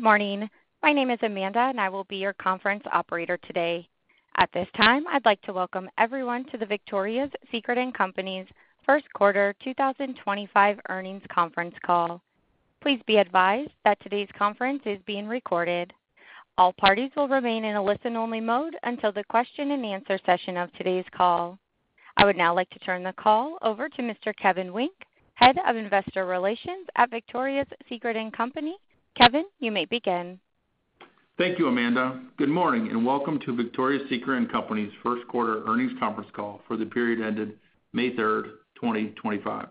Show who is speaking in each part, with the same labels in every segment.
Speaker 1: Good morning. My name is Amanda, and I will be your conference operator today. At this time, I'd like to welcome everyone to the Victoria's Secret & Co. First Quarter 2025 Earnings Conference Call. Please be advised that today's conference is being recorded. All parties will remain in a listen-only mode until the question-and-answer session of today's call. I would now like to turn the call over to Mr. Kevin Wynk, Head of Investor Relations at Victoria's Secret & Co. Kevin, you may begin.
Speaker 2: Thank you, Amanda. Good morning and welcome to Victoria's Secret & Co.'s first quarter earnings conference call for the period ended May 3rd, 2025.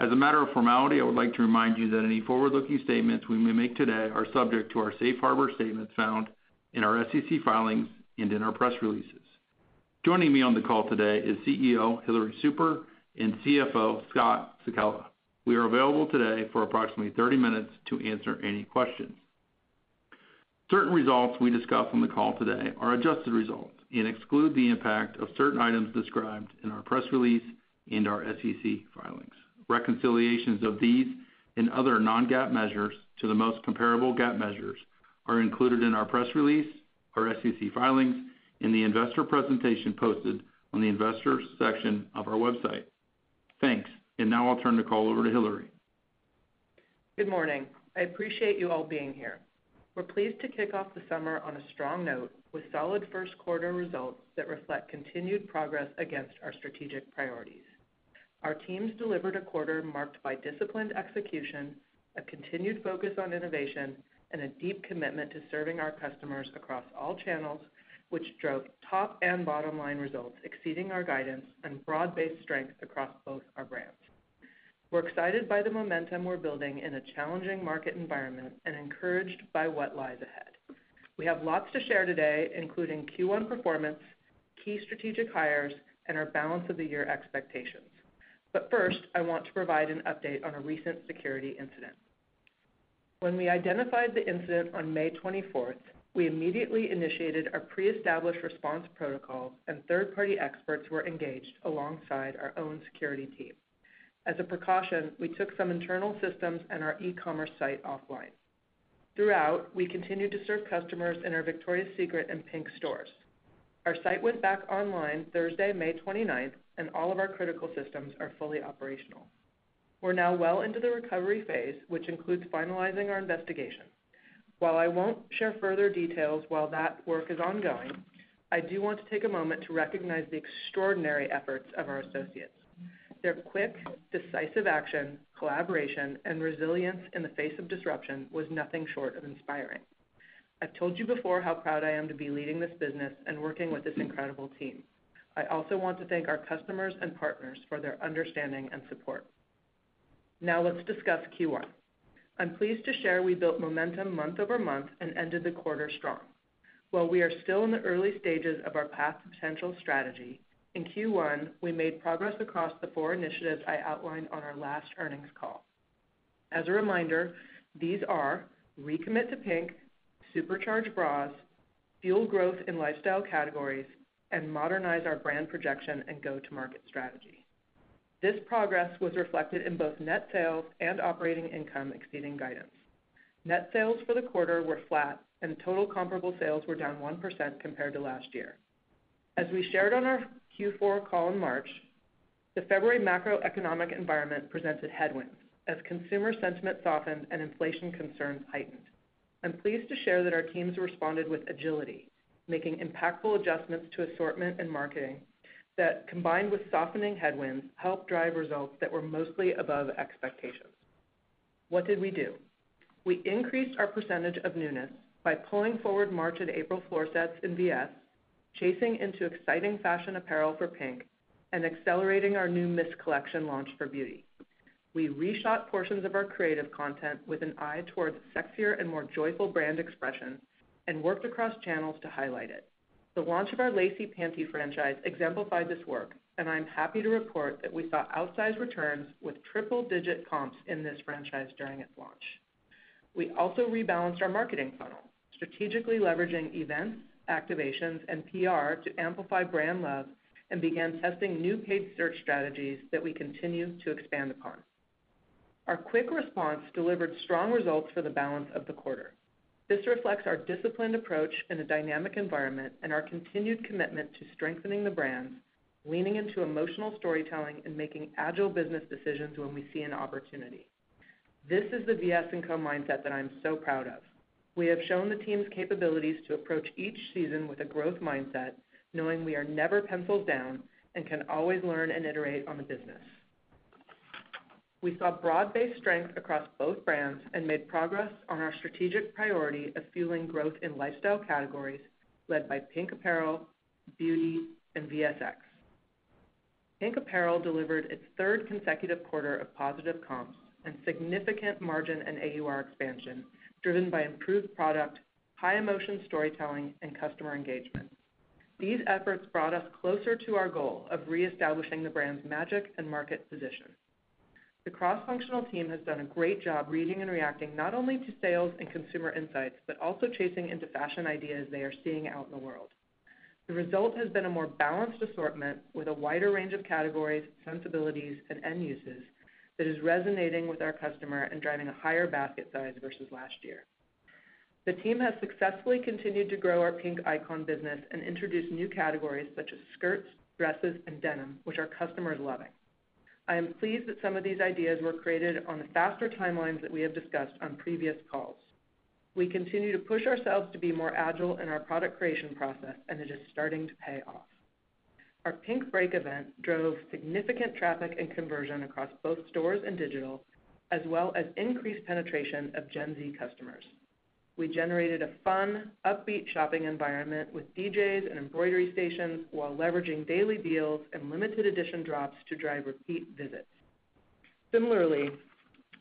Speaker 2: As a matter of formality, I would like to remind you that any forward-looking statements we may make today are subject to our safe harbor statements found in our SEC filings and in our press releases. Joining me on the call today is CEO Hillary Super and CFO Scott Sekella. We are available today for approximately 30 minutes to answer any questions. Certain results we discuss on the call today are adjusted results and exclude the impact of certain items described in our press release and our SEC filings. Reconciliations of these and other non-GAAP measures to the most comparable GAAP measures are included in our press release, our SEC filings, and the investor presentation posted on the investor section of our website. Thanks. I'll turn the call over to Hillary.
Speaker 3: Good morning. I appreciate you all being here. We're pleased to kick off the summer on a strong note with solid first quarter results that reflect continued progress against our strategic priorities. Our teams delivered a quarter marked by disciplined execution, a continued focus on innovation, and a deep commitment to serving our customers across all channels, which drove top and bottom-line results exceeding our guidance and broad-based strength across both our brands. We're excited by the momentum we're building in a challenging market environment and encouraged by what lies ahead. We have lots to share today, including Q1 performance, key strategic hires, and our balance of the year expectations. First, I want to provide an update on a recent security incident. When we identified the incident on May 24th, we immediately initiated our pre-established response protocols, and third-party experts were engaged alongside our own security team. As a precaution, we took some internal systems and our e-commerce site offline. Throughout, we continued to serve customers in our Victoria's Secret and PINK stores. Our site went back online Thursday, May 29th, and all of our critical systems are fully operational. We're now well into the recovery phase, which includes finalizing our investigation. While I won't share further details while that work is ongoing, I do want to take a moment to recognize the extraordinary efforts of our associates. Their quick, decisive action, collaboration, and resilience in the face of disruption was nothing short of inspiring. I've told you before how proud I am to be leading this business and working with this incredible team. I also want to thank our customers and partners for their understanding and support. Now let's discuss Q1. I'm pleased to share we built momentum month over month and ended the quarter strong. While we are still in the early stages of our path to potential strategy, in Q1, we made progress across the four initiatives I outlined on our last earnings call. As a reminder, these are Recommit to PINK, Supercharge Bras, Fuel Growth in Lifestyle Categories, and Modernize our Brand Projection and Go-To-Market Strategy. This progress was reflected in both net sales and operating income exceeding guidance. Net sales for the quarter were flat, and total comparable sales were down 1% compared to last year. As we shared on our Q4 call in March, the February macroeconomic environment presented headwinds as consumer sentiment softened and inflation concerns heightened. I'm pleased to share that our teams responded with agility, making impactful adjustments to assortment and marketing that, combined with softening headwinds, helped drive results that were mostly above expectations. What did we do? We increased our percentage of newness by pulling forward March and April floor sets in VS, chasing into exciting fashion apparel for PINK, and accelerating our new Mist Collection launch for Beauty. We reshot portions of our creative content with an eye towards sexier and more joyful brand expression and worked across channels to highlight it. The launch of our lacy panty franchise exemplified this work, and I'm happy to report that we saw outsized returns with triple-digit comps in this franchise during its launch. We also rebalanced our marketing funnel, strategically leveraging events, activations, and PR to amplify brand love and began testing new paid search strategies that we continue to expand upon. Our quick response delivered strong results for the balance of the quarter. This reflects our disciplined approach in a dynamic environment and our continued commitment to strengthening the brands, leaning into emotional storytelling and making agile business decisions when we see an opportunity. This is the VS&Co mindset that I'm so proud of. We have shown the team's capabilities to approach each season with a growth mindset, knowing we are never pencils down and can always learn and iterate on the business. We saw broad-based strength across both brands and made progress on our strategic priority of fueling growth in lifestyle categories led by PINK Apparel, Beauty, and VSX. PINK Apparel delivered its third consecutive quarter of positive comps and significant margin and AUR expansion driven by improved product, high-emotion storytelling, and customer engagement. These efforts brought us closer to our goal of reestablishing the brand's magic and market position. The cross-functional team has done a great job reading and reacting not only to sales and consumer insights but also chasing into fashion ideas they are seeing out in the world. The result has been a more balanced assortment with a wider range of categories, sensibilities, and end uses that is resonating with our customer and driving a higher basket size versus last year. The team has successfully continued to grow our PINK Icon business and introduced new categories such as skirts, dresses, and denim, which our customers are loving. I am pleased that some of these ideas were created on the faster timelines that we have discussed on previous calls. We continue to push ourselves to be more agile in our product creation process, and it is starting to pay off. Our PINK Break event drove significant traffic and conversion across both stores and digital, as well as increased penetration of Gen Z customers. We generated a fun, upbeat shopping environment with DJs and embroidery stations while leveraging daily deals and limited-edition drops to drive repeat visits. Similarly,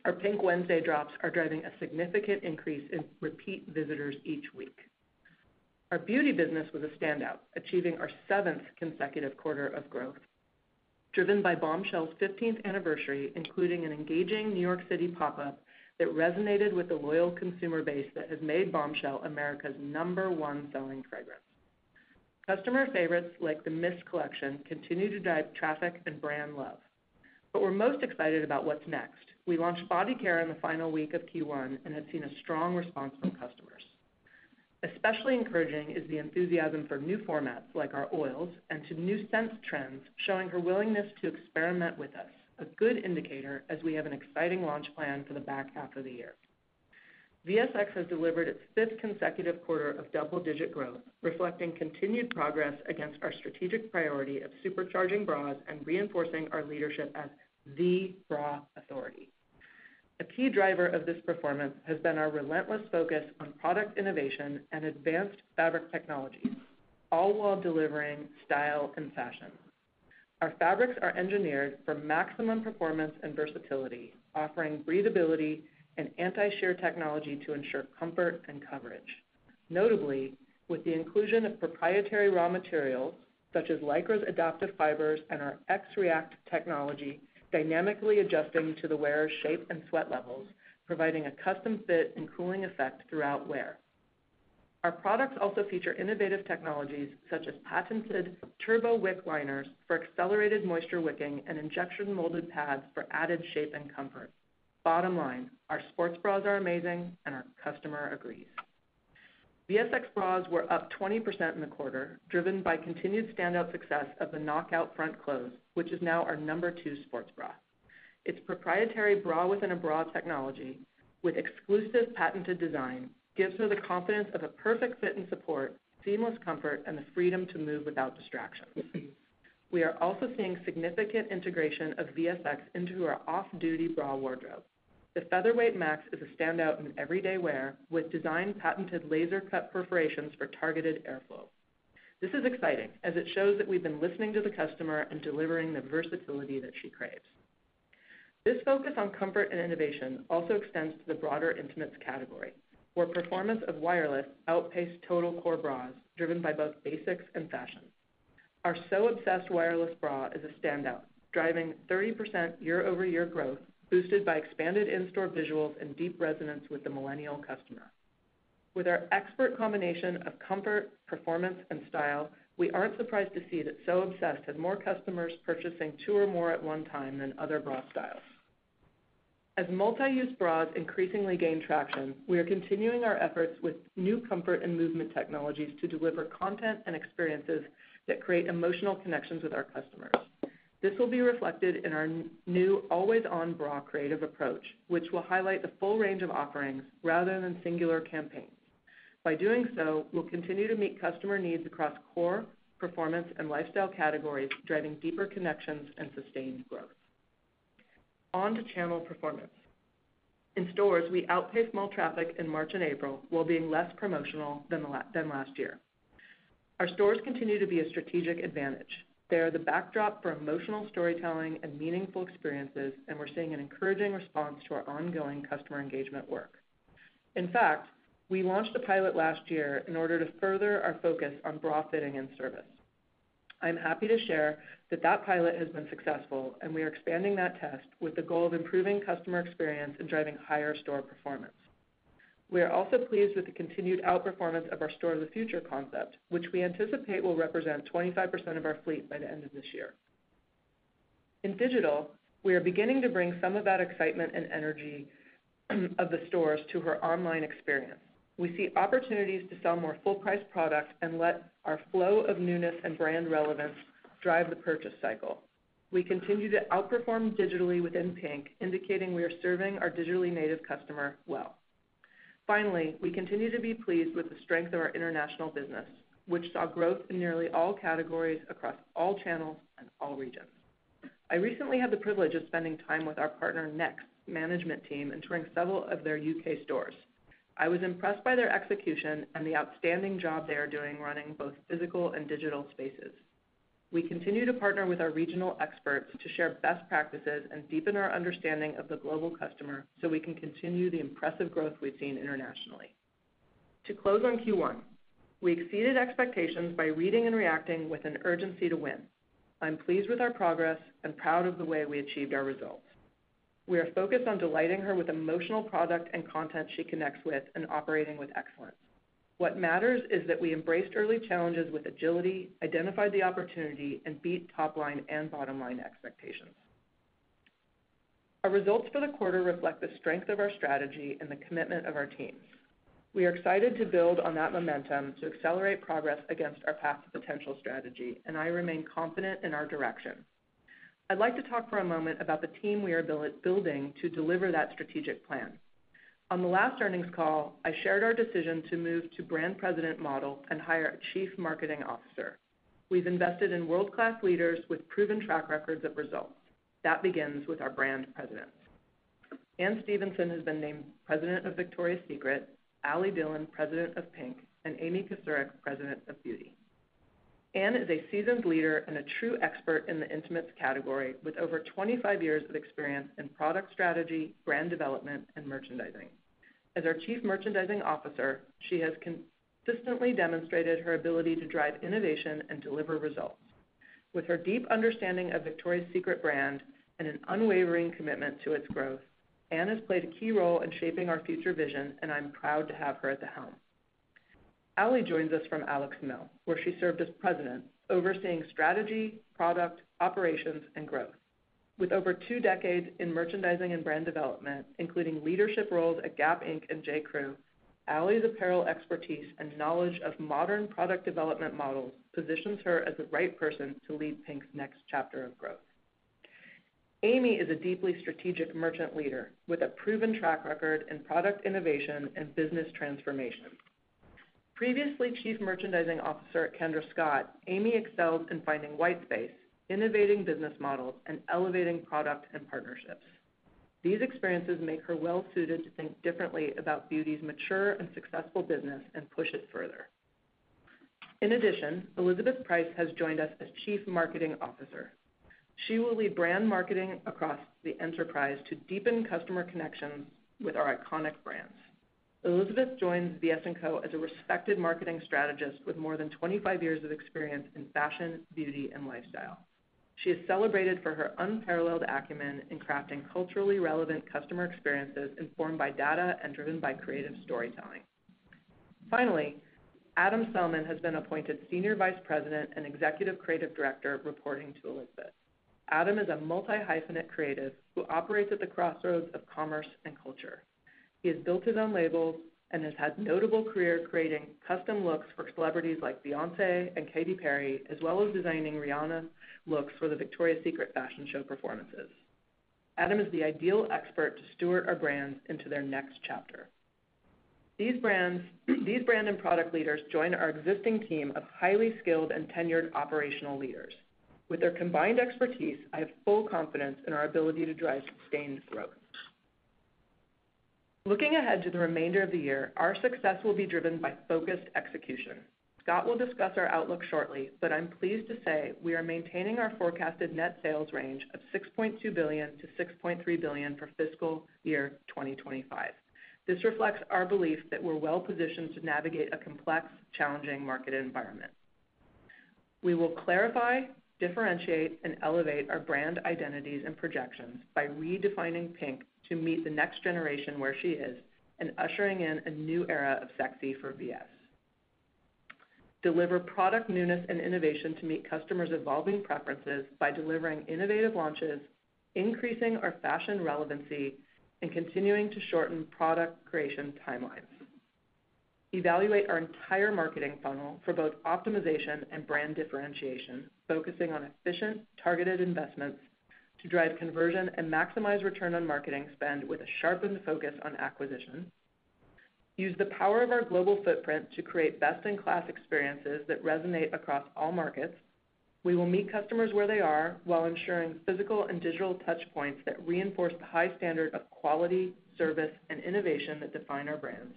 Speaker 3: our PINK Wednesday Drops are driving a significant increase in repeat visitors each week. Our Beauty business was a standout, achieving our seventh consecutive quarter of growth, driven by Bombshell's 15th anniversary, including an engaging New York City pop-up that resonated with the loyal consumer base that has made Bombshell America's number one selling fragrance. Customer favorites like the Mist Collection continue to drive traffic and brand love. We are most excited about what's next. We launched body care in the final week of Q1 and have seen a strong response from customers. Especially encouraging is the enthusiasm for new formats like our oils and to new scent trends, showing her willingness to experiment with us, a good indicator as we have an exciting launch plan for the back half of the year. VSX has delivered its fifth consecutive quarter of double-digit growth, reflecting continued progress against our strategic priority of supercharging bras and reinforcing our leadership as the bra authority. A key driver of this performance has been our relentless focus on product innovation and advanced fabric technologies, all while delivering style and fashion. Our fabrics are engineered for maximum performance and versatility, offering breathability and anti-shear technology to ensure comfort and coverage. Notably, with the inclusion of proprietary raw materials such as LYCRA's ADAPTIV fibers and our XReact technology, dynamically adjusting to the wearer's shape and sweat levels, providing a custom fit and cooling effect throughout wear. Our products also feature innovative technologies such as patented TurboWick liners for accelerated moisture wicking and injection-molded pads for added shape and comfort. Bottom line, our sports bras are amazing, and our customer agrees. VSX bras were up 20% in the quarter, driven by continued standout success of the Knockout Front-Close, which is now our number two sports bra. Its proprietary bra-within-a-bra technology, with exclusive patented design, gives her the confidence of a perfect fit and support, seamless comfort, and the freedom to move without distractions. We are also seeing significant integration of VSX into our off-duty bra wardrobe. The Featherweight Max is a standout in everyday wear with designed patented laser-cut perforations for targeted airflow. This is exciting as it shows that we've been listening to the customer and delivering the versatility that she craves. This focus on comfort and innovation also extends to the broader intimates category, where performance of wireless outpaced total core bras driven by both basics and fashion. Our So Obsessed wireless bra is a standout, driving 30% year-over-year growth, boosted by expanded in-store visuals and deep resonance with the millennial customer. With our expert combination of comfort, performance, and style, we aren't surprised to see that So Obsessed has more customers purchasing two or more at one time than other bra styles. As multi-use bras increasingly gain traction, we are continuing our efforts with new comfort and movement technologies to deliver content and experiences that create emotional connections with our customers. This will be reflected in our new always on bra creative approach, which will highlight the full range of offerings rather than singular campaigns. By doing so, we'll continue to meet customer needs across core, performance, and lifestyle categories, driving deeper connections and sustained growth. On to channel performance. In stores, we outpaced mall traffic in March and April while being less promotional than last year. Our stores continue to be a strategic advantage. They are the backdrop for emotional storytelling and meaningful experiences, and we're seeing an encouraging response to our ongoing customer engagement work. In fact, we launched a pilot last year in order to further our focus on bra fitting and service. I'm happy to share that that pilot has been successful, and we are expanding that test with the goal of improving customer experience and driving higher store performance. We are also pleased with the continued outperformance of our Store of the Future concept, which we anticipate will represent 25% of our fleet by the end of this year. In digital, we are beginning to bring some of that excitement and energy of the stores to her online experience. We see opportunities to sell more full-price product and let our flow of newness and brand relevance drive the purchase cycle. We continue to outperform digitally within PINK, indicating we are serving our digitally native customer well. Finally, we continue to be pleased with the strength of our international business, which saw growth in nearly all categories across all channels and all regions. I recently had the privilege of spending time with our partner Next management team and touring several of their U.K. stores. I was impressed by their execution and the outstanding job they are doing running both physical and digital spaces. We continue to partner with our regional experts to share best practices and deepen our understanding of the global customer so we can continue the impressive growth we've seen internationally. To close on Q1, we exceeded expectations by reading and reacting with an urgency to win. I'm pleased with our progress and proud of the way we achieved our results. We are focused on delighting her with emotional product and content she connects with and operating with excellence. What matters is that we embraced early challenges with agility, identified the opportunity, and beat top-line and bottom-line expectations. Our results for the quarter reflect the strength of our strategy and the commitment of our team. We are excited to build on that momentum to accelerate progress against our path to potential strategy, and I remain confident in our direction. I'd like to talk for a moment about the team we are building to deliver that strategic plan. On the last earnings call, I shared our decision to move to brand president model and hire a Chief Marketing Officer. We've invested in world-class leaders with proven track records of results. That begins with our brand presidents. Anne Stephenson has been named President of Victoria's Secret, Ali Dillon, President of PINK, and Amy Kocourek, President of Beauty. Anne is a seasoned leader and a true expert in the intimates category with over 25 years of experience in product strategy, brand development, and merchandising. As our Chief Merchandising Officer, she has consistently demonstrated her ability to drive innovation and deliver results. With her deep understanding of Victoria's Secret brand and an unwavering commitment to its growth, Anne has played a key role in shaping our future vision, and I'm proud to have her at the helm. Ali joins us from Alex Mill, where she served as President, overseeing strategy, product, operations, and growth. With over two decades in merchandising and brand development, including leadership roles at Gap Inc and J. Crew, Ali's apparel expertise and knowledge of modern product development models positions her as the right person to lead PINK's next chapter of growth. Amy is a deeply strategic merchant leader with a proven track record in product innovation and business transformation. Previously Chief Merchandising Officer at Kendra Scott, Amy excelled in finding white space, innovating business models, and elevating product and partnerships. These experiences make her well-suited to think differently about Beauty's mature and successful business and push it further. In addition, Elizabeth Preis has joined us as Chief Marketing Officer. She will lead brand marketing across the enterprise to deepen customer connections with our iconic brands. Elizabeth joins VS&Co as a respected marketing strategist with more than 25 years of experience in fashion, beauty, and lifestyle. She is celebrated for her unparalleled acumen in crafting culturally relevant customer experiences informed by data and driven by creative storytelling. Finally, Adam Selman has been appointed Senior Vice President and Executive Creative Director reporting to Elizabeth. Adam is a multi-hyphenate creative who operates at the crossroads of commerce and culture. He has built his own labels and has had a notable career creating custom looks for celebrities like Beyoncé and Katy Perry, as well as designing Rihanna looks for the Victoria's Secret fashion show performances. Adam is the ideal expert to steward our brands into their next chapter. These brand and product leaders join our existing team of highly skilled and tenured operational leaders. With their combined expertise, I have full confidence in our ability to drive sustained growth. Looking ahead to the remainder of the year, our success will be driven by focused execution. Scott will discuss our outlook shortly, but I'm pleased to say we are maintaining our forecasted net sales range of $6.2 billion-$6.3 billion for fiscal year 2025. This reflects our belief that we're well-positioned to navigate a complex, challenging market environment. We will clarify, differentiate, and elevate our brand identities and projections by redefining PINK to meet the next generation where she is and ushering in a new era of sexy for VS. Deliver product newness and innovation to meet customers' evolving preferences by delivering innovative launches, increasing our fashion relevancy, and continuing to shorten product creation timelines. Evaluate our entire marketing funnel for both optimization and brand differentiation, focusing on efficient, targeted investments to drive conversion and maximize return on marketing spend with a sharpened focus on acquisition. Use the power of our global footprint to create best-in-class experiences that resonate across all markets. We will meet customers where they are while ensuring physical and digital touchpoints that reinforce the high standard of quality, service, and innovation that define our brands.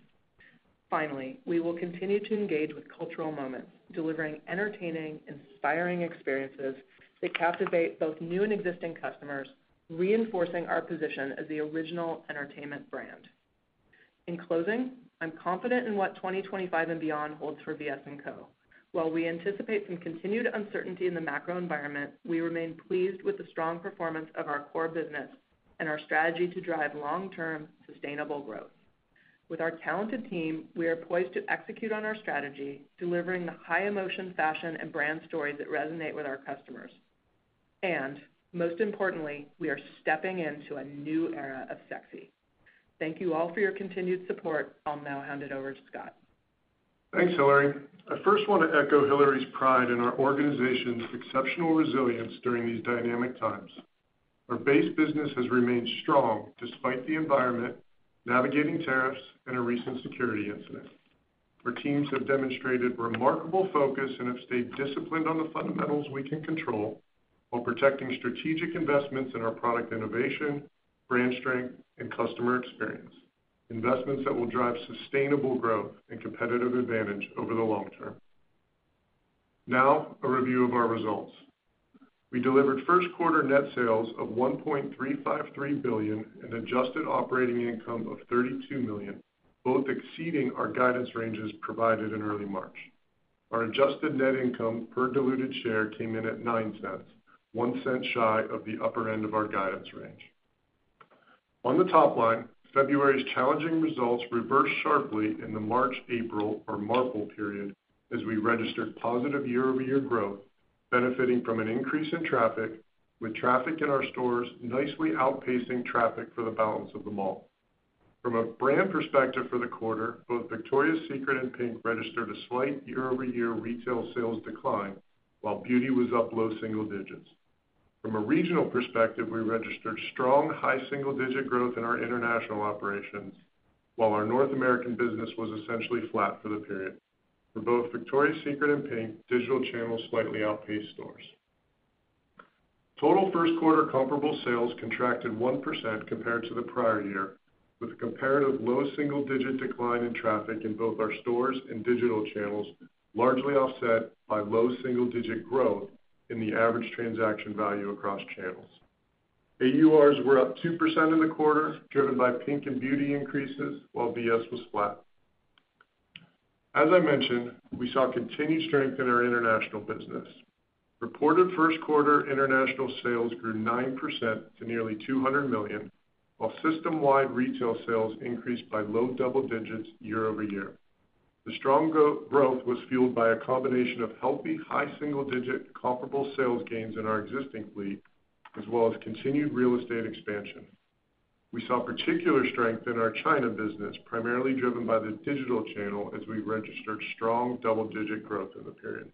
Speaker 3: Finally, we will continue to engage with cultural moments, delivering entertaining, inspiring experiences that captivate both new and existing customers, reinforcing our position as the original entertainment brand. In closing, I'm confident in what 2025 and beyond holds for VS&Co. While we anticipate some continued uncertainty in the macro environment, we remain pleased with the strong performance of our core business and our strategy to drive long-term sustainable growth. With our talented team, we are poised to execute on our strategy, delivering the high-emotion fashion and brand stories that resonate with our customers. Most importantly, we are stepping into a new era of sexy. Thank you all for your continued support. I'll now hand it over to Scott.
Speaker 4: Thanks, Hillary. I first want to echo Hillary's pride in our organization's exceptional resilience during these dynamic times. Our base business has remained strong despite the environment, navigating tariffs and a recent security incident. Our teams have demonstrated remarkable focus and have stayed disciplined on the fundamentals we can control while protecting strategic investments in our product innovation, brand strength, and customer experience, investments that will drive sustainable growth and competitive advantage over the long term. Now, a review of our results. We delivered first-quarter net sales of $1.353 billion and adjusted operating income of $32 million, both exceeding our guidance ranges provided in early March. Our adjusted net income per diluted share came in at $0.09, one cent shy of the upper end of our guidance range. On the top line, February's challenging results reversed sharply in the March, April, or Marpril period as we registered positive year-over-year growth, benefiting from an increase in traffic, with traffic in our stores nicely outpacing traffic for the balance of the mall. From a brand perspective for the quarter, both Victoria's Secret and PINK registered a slight year-over-year retail sales decline, while Beauty was up low single digits. From a regional perspective, we registered strong high single-digit growth in our international operations, while our North American business was essentially flat for the period. For both Victoria's Secret and PINK, digital channels slightly outpaced stores. Total first-quarter comparable sales contracted 1% compared to the prior year, with a comparative low single-digit decline in traffic in both our stores and digital channels, largely offset by low single-digit growth in the average transaction value across channels. AURs were up 2% in the quarter, driven by PINK and Beauty increases, while VS was flat. As I mentioned, we saw continued strength in our international business. Reported first-quarter international sales grew 9% to nearly $200 million, while system-wide retail sales increased by low double digits year-over-year. The strong growth was fueled by a combination of healthy high single-digit comparable sales gains in our existing fleet, as well as continued real estate expansion. We saw particular strength in our China business, primarily driven by the digital channel, as we registered strong double-digit growth in the period.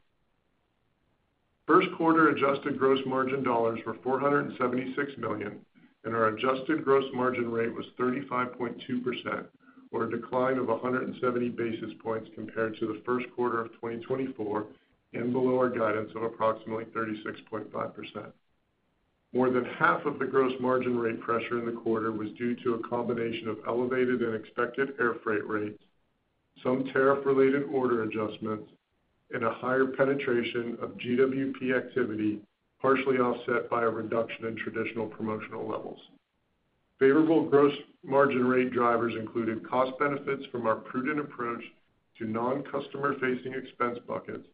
Speaker 4: First-quarter adjusted gross margin dollars were $476 million, and our adjusted gross margin rate was 35.2%, or a decline of 170 basis points compared to the first quarter of 2024 and below our guidance of approximately 36.5%. More than half of the gross margin rate pressure in the quarter was due to a combination of elevated and expected air freight rates, some tariff-related order adjustments, and a higher penetration of GWP activity, partially offset by a reduction in traditional promotional levels. Favorable gross margin rate drivers included cost benefits from our prudent approach to non-customer-facing expense buckets,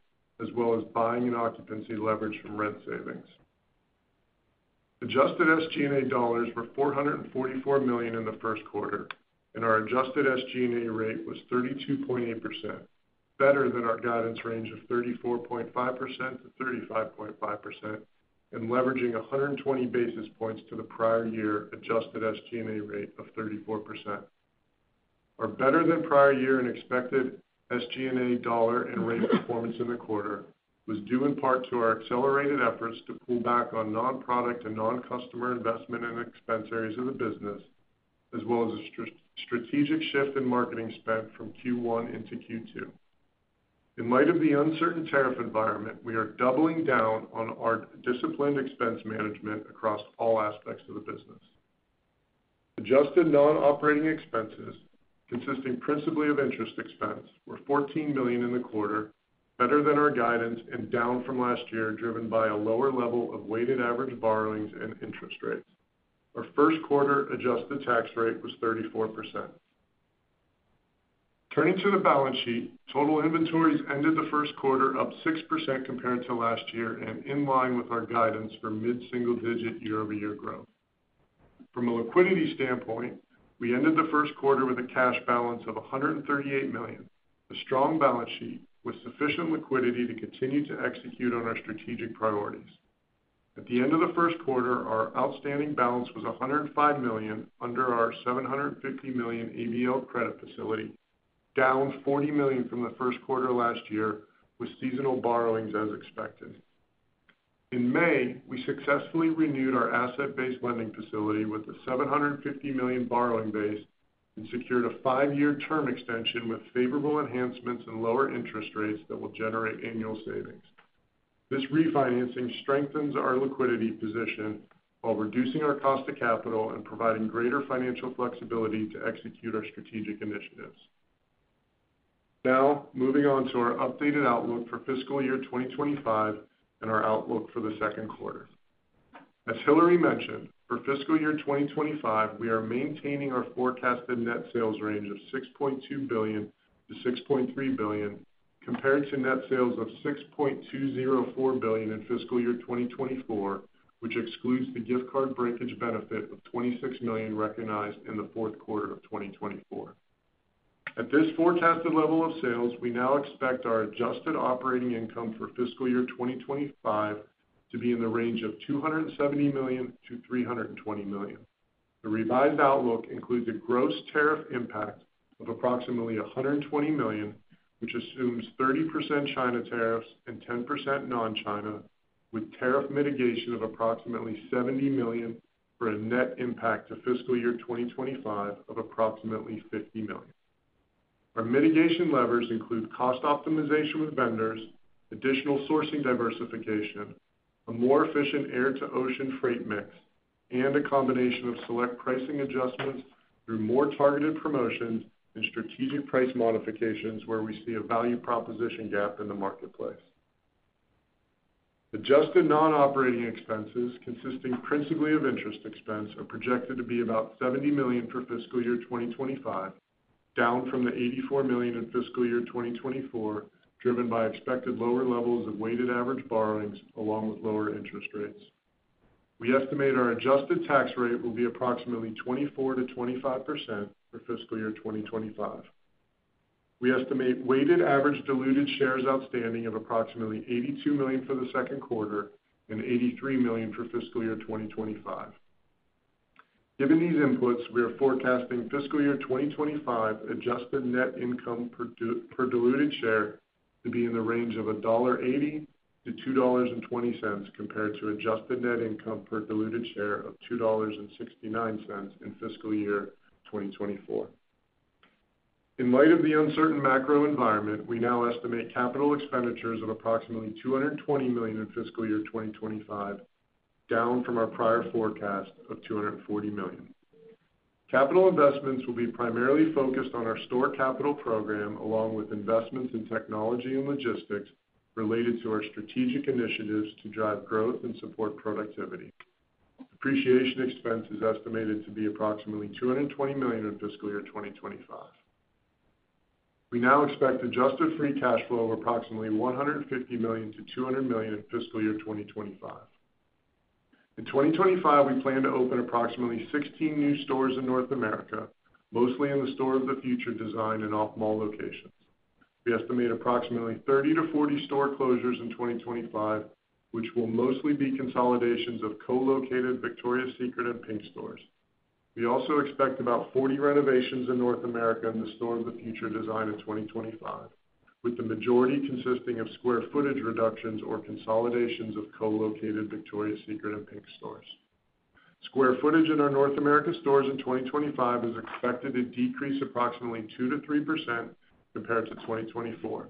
Speaker 4: as well as buying and occupancy leverage from rent savings. Adjusted SG&A dollars were $444 million in the first quarter, and our adjusted SG&A rate was 32.8%, better than our guidance range of 34.5%-35.5%, and leveraging 120 basis points to the prior year adjusted SG&A rate of 34%. Our better-than-prior-year and expected SG&A dollar and rate performance in the quarter was due in part to our accelerated efforts to pull back on non-product and non-customer investment and expense areas of the business, as well as a strategic shift in marketing spend from Q1 into Q2. In light of the uncertain tariff environment, we are doubling down on our disciplined expense management across all aspects of the business. Adjusted non-operating expenses, consisting principally of interest expense, were $14 million in the quarter, better than our guidance and down from last year, driven by a lower level of weighted average borrowings and interest rates. Our first-quarter adjusted tax rate was 34%. Turning to the balance sheet, total inventories ended the first quarter up 6% compared to last year and in line with our guidance for mid-single-digit year-over-year growth. From a liquidity standpoint, we ended the first quarter with a cash balance of $138 million. A strong balance sheet with sufficient liquidity to continue to execute on our strategic priorities. At the end of the first quarter, our outstanding balance was $105 million under our $750 million ABL credit facility, down $40 million from the first quarter last year with seasonal borrowings as expected. In May, we successfully renewed our asset-based lending facility with a $750 million borrowing base and secured a five-year term extension with favorable enhancements and lower interest rates that will generate annual savings. This refinancing strengthens our liquidity position while reducing our cost of capital and providing greater financial flexibility to execute our strategic initiatives. Now, moving on to our updated outlook for fiscal year 2025 and our outlook for the second quarter. As Hillary mentioned, for fiscal year 2025, we are maintaining our forecasted net sales range of $6.2 billion-$6.3 billion compared to net sales of $6.204 billion in fiscal year 2024, which excludes the gift card breakage benefit of $26 million recognized in the fourth quarter of 2024. At this forecasted level of sales, we now expect our adjusted operating income for fiscal year 2025 to be in the range of $270 million-$320 million. The revised outlook includes a gross tariff impact of approximately $120 million, which assumes 30% China tariffs and 10% non-China, with tariff mitigation of approximately $70 million for a net impact to fiscal year 2025 of approximately $50 million. Our mitigation levers include cost optimization with vendors, additional sourcing diversification, a more efficient air-to-ocean freight mix, and a combination of select pricing adjustments through more targeted promotions and strategic price modifications where we see a value proposition gap in the marketplace. Adjusted non-operating expenses, consisting principally of interest expense, are projected to be about $70 million for fiscal year 2025, down from the $84 million in fiscal year 2024, driven by expected lower levels of weighted average borrowings along with lower interest rates. We estimate our adjusted tax rate will be approximately 24%-25% for fiscal year 2025. We estimate weighted average diluted shares outstanding of approximately $82 million for the second quarter and $83 million for fiscal year 2025. Given these inputs, we are forecasting fiscal year 2025 adjusted net income per diluted share to be in the range of $1.80-$2.20 compared to adjusted net income per diluted share of $2.69 in fiscal year 2024. In light of the uncertain macro environment, we now estimate capital expenditures of approximately $220 million in fiscal year 2025, down from our prior forecast of $240 million. Capital investments will be primarily focused on our store capital program, along with investments in technology and logistics related to our strategic initiatives to drive growth and support productivity. Depreciation expense is estimated to be approximately $220 million in fiscal year 2025. We now expect adjusted free cash flow of approximately $150 million-$200 million in fiscal year 2025. In 2025, we plan to open approximately 16 new stores in North America, mostly in the store of the future design and off-mall locations. We estimate approximately 30-40 store closures in 2025, which will mostly be consolidations of co-located Victoria's Secret and PINK stores. We also expect about 40 renovations in North America in the store of the future design in 2025, with the majority consisting of square footage reductions or consolidations of co-located Victoria's Secret and PINK stores. Square footage in our North America stores in 2025 is expected to decrease approximately 2%-3% compared to 2024.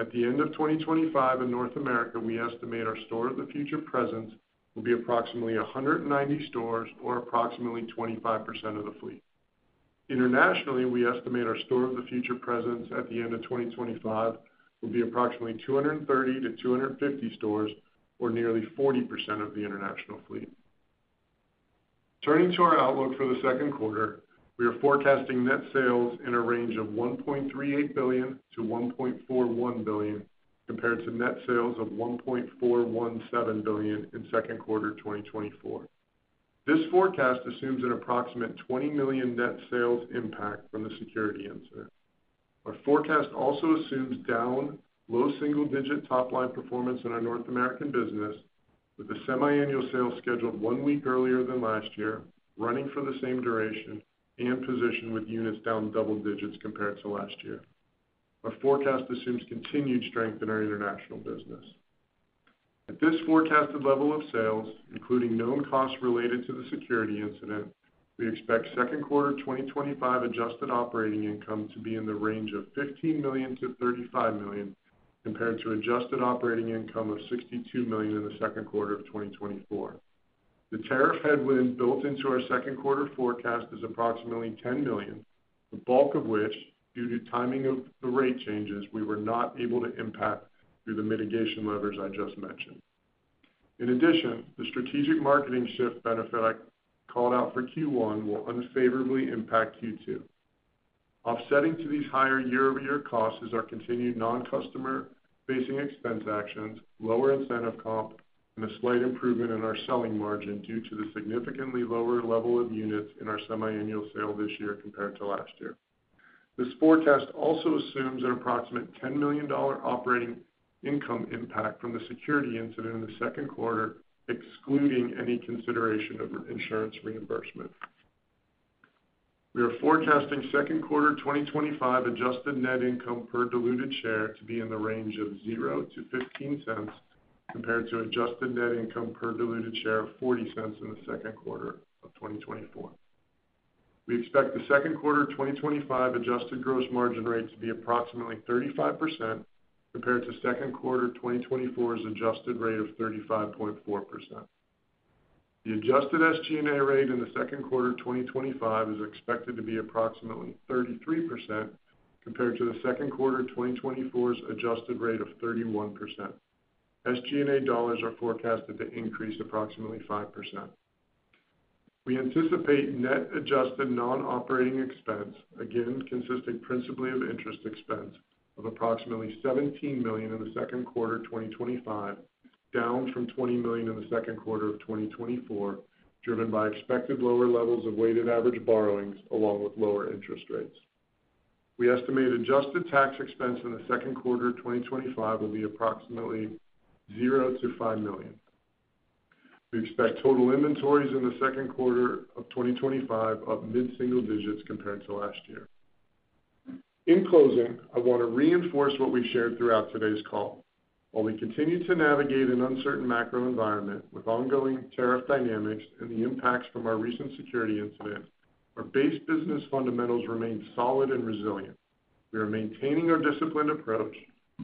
Speaker 4: At the end of 2025 in North America, we estimate our store of the future presence will be approximately 190 stores or approximately 25% of the fleet. Internationally, we estimate our store of the future presence at the end of 2025 will be approximately 230-250 stores or nearly 40% of the international fleet. Turning to our outlook for the second quarter, we are forecasting net sales in a range of $1.38 billion-$1.41 billion compared to net sales of $1.417 billion in second quarter 2024. This forecast assumes an approximate $20 million net sales impact from the security incident. Our forecast also assumes down low single-digit top-line performance in our North American business, with the semiannual sales scheduled one week earlier than last year, running for the same duration and position with units down double digits compared to last year. Our forecast assumes continued strength in our international business. At this forecasted level of sales, including known costs related to the security incident, we expect second quarter 2025 adjusted operating income to be in the range of $15 million-$35 million compared to adjusted operating income of $62 million in the second quarter of 2024. The tariff headwind built into our second quarter forecast is approximately $10 million, the bulk of which, due to timing of the rate changes, we were not able to impact through the mitigation levers I just mentioned. In addition, the strategic marketing shift benefit I called out for Q1 will unfavorably impact Q2. Offsetting to these higher year-over-year costs is our continued non-customer-facing expense actions, lower incentive comp, and a slight improvement in our selling margin due to the significantly lower level of units in our semiannual sale this year compared to last year. This forecast also assumes an approximate $10 million operating income impact from the security incident in the second quarter, excluding any consideration of insurance reimbursement. We are forecasting second quarter 2025 adjusted net income per diluted share to be in the range of $0-$0.15 compared to adjusted net income per diluted share of $0.40 in the second quarter of 2024. We expect the second quarter 2025 adjusted gross margin rate to be approximately 35% compared to second quarter 2024's adjusted rate of 35.4%. The adjusted SG&A rate in the second quarter 2025 is expected to be approximately 33% compared to the second quarter 2024's adjusted rate of 31%. SG&A dollars are forecasted to increase approximately 5%. We anticipate net adjusted non-operating expense, again consisting principally of interest expense, of approximately $17 million in the second quarter 2025, down from $20 million in the second quarter of 2024, driven by expected lower levels of weighted average borrowings along with lower interest rates. We estimate adjusted tax expense in the second quarter 2025 will be approximately $0-$5 million. We expect total inventories in the second quarter of 2025 up mid-single digits compared to last year. In closing, I want to reinforce what we've shared throughout today's call. While we continue to navigate an uncertain macro environment with ongoing tariff dynamics and the impacts from our recent security incident, our base business fundamentals remain solid and resilient. We are maintaining our disciplined approach,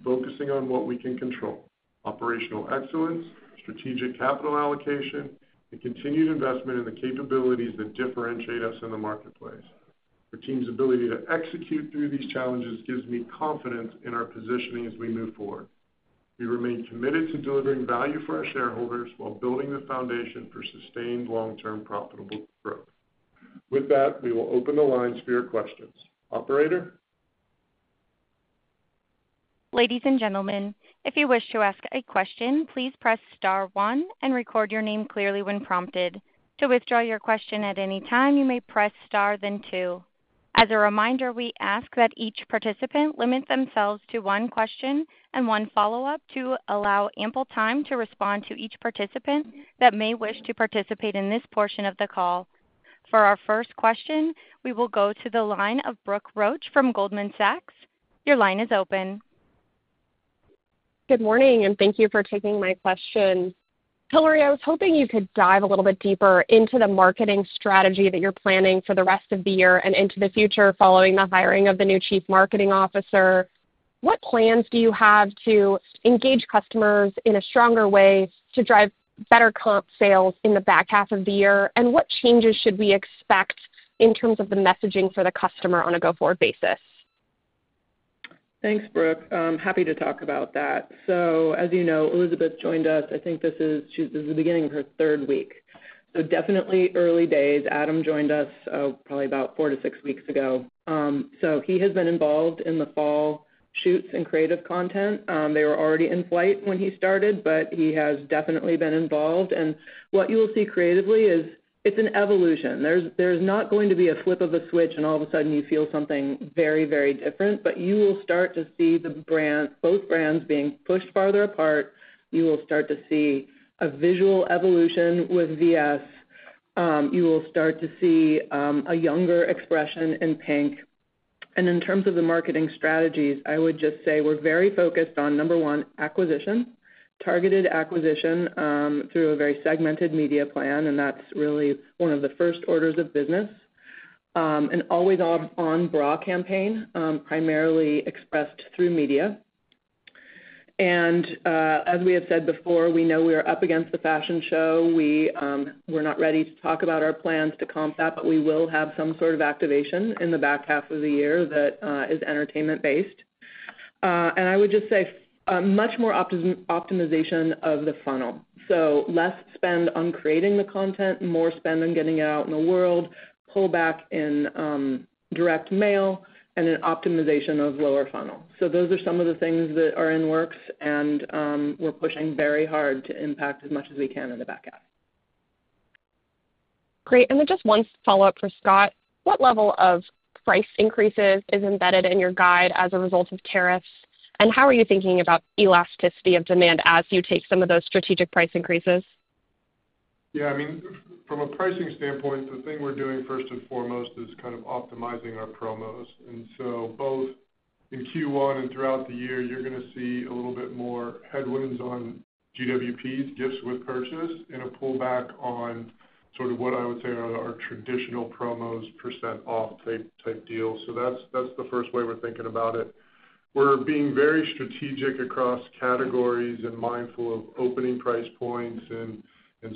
Speaker 4: focusing on what we can control: operational excellence, strategic capital allocation, and continued investment in the capabilities that differentiate us in the marketplace. Our team's ability to execute through these challenges gives me confidence in our positioning as we move forward. We remain committed to delivering value for our shareholders while building the foundation for sustained long-term profitable growth. With that, we will open the lines for your questions. Operator?
Speaker 1: Ladies and gentlemen, if you wish to ask a question, please press star one and record your name clearly when prompted. To withdraw your question at any time, you may press star then two. As a reminder, we ask that each participant limit themselves to one question and one follow-up to allow ample time to respond to each participant that may wish to participate in this portion of the call. For our first question, we will go to the line of Brooke Roach from Goldman Sachs. Your line is open.
Speaker 5: Good morning, and thank you for taking my question. Hillary, I was hoping you could dive a little bit deeper into the marketing strategy that you're planning for the rest of the year and into the future following the hiring of the new Chief Marketing Officer. What plans do you have to engage customers in a stronger way to drive better comp sales in the back half of the year, and what changes should we expect in terms of the messaging for the customer on a go-forward basis?
Speaker 3: Thanks, Brooke. I'm happy to talk about that. As you know, Elizabeth joined us. I think this is the beginning of her third week. Definitely early days. Adam joined us probably about four to six weeks ago. He has been involved in the fall shoots and creative content. They were already in flight when he started, but he has definitely been involved. What you will see creatively is it's an evolution. There's not going to be a flip of a switch and all of a sudden you feel something very, very different, but you will start to see both brands being pushed farther apart. You will start to see a visual evolution with VS. You will start to see a younger expression in PINK. In terms of the marketing strategies, I would just say we are very focused on, number one, acquisition, targeted acquisition through a very segmented media plan, and that is really one of the first orders of business, an always-on bra campaign primarily expressed through media. As we have said before, we know we are up against the fashion show. We are not ready to talk about our plans to comp that, but we will have some sort of activation in the back half of the year that is entertainment-based. I would just say much more optimization of the funnel. Less spend on creating the content, more spend on getting it out in the world, pullback in direct mail, and an optimization of lower funnel. Those are some of the things that are in works, and we're pushing very hard to impact as much as we can in the back half.
Speaker 5: Great. Then just one follow-up for Scott. What level of price increases is embedded in your guide as a result of tariffs, and how are you thinking about elasticity of demand as you take some of those strategic price increases?
Speaker 4: Yeah, I mean, from a pricing standpoint, the thing we're doing first and foremost is kind of optimizing our promos. Both in Q1 and throughout the year, you're going to see a little bit more headwinds on GWPs, gifts with purchase, and a pullback on sort of what I would say are our traditional promos percent-off type deals. That's the first way we're thinking about it. We're being very strategic across categories and mindful of opening price points and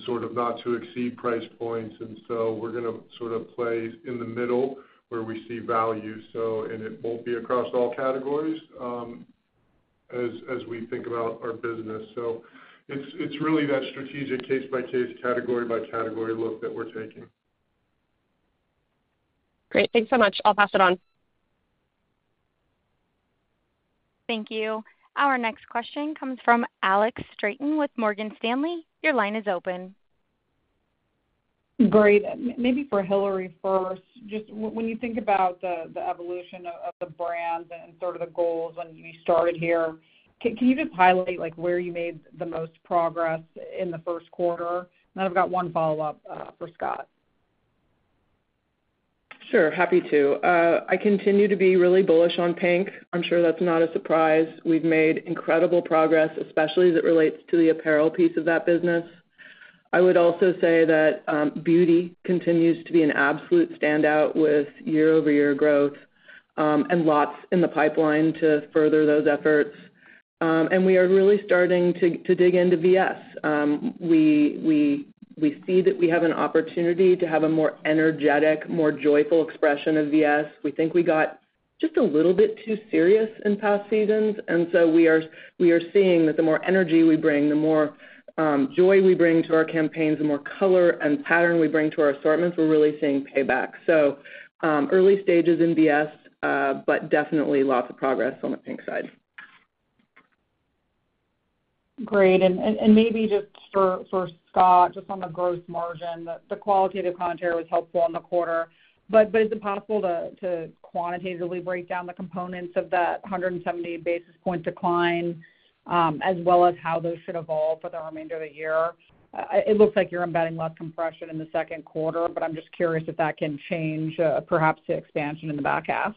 Speaker 4: sort of not to exceed price points. We're going to sort of play in the middle where we see value. It won't be across all categories as we think about our business. It's really that strategic case-by-case, category-by-category look that we're taking.
Speaker 5: Great. Thanks so much. I'll pass it on.
Speaker 1: Thank you. Our next question comes from Alex Straton with Morgan Stanley. Your line is open.
Speaker 6: Great. Maybe for Hillary first, just when you think about the evolution of the brand and sort of the goals when we started here, can you just highlight where you made the most progress in the first quarter? And then I've got one follow-up for Scott.
Speaker 3: Sure. Happy to. I continue to be really bullish on PINK. I'm sure that's not a surprise. We've made incredible progress, especially as it relates to the apparel piece of that business. I would also say that Beauty continues to be an absolute standout with year-over-year growth and lots in the pipeline to further those efforts. We are really starting to dig into VS. We see that we have an opportunity to have a more energetic, more joyful expression of VS. We think we got just a little bit too serious in past seasons. We are seeing that the more energy we bring, the more joy we bring to our campaigns, the more color and pattern we bring to our assortments, we're really seeing payback. Early stages in VS, but definitely lots of progress on the PINK side.
Speaker 6: Great. Maybe just for Scott, just on the gross margin, the qualitative commentary was helpful in the quarter, but is it possible to quantitatively break down the components of that 170 basis point decline as well as how those should evolve for the remainder of the year? It looks like you're embedding less compression in the second quarter, but I'm just curious if that can change perhaps to expansion in the back half.